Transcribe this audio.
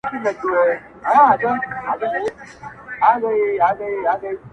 په خپل مړي هوسیږي که یې زوړ دی که یې شاب دی!!